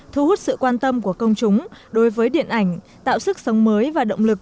thu hút sự quan tâm của công chúng đối với điện ảnh tạo sức sống mới và động lực